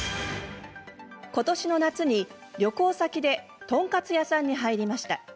今年の夏に旅行先でトンカツ屋さんに入りました。